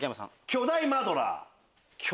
巨大マドラー？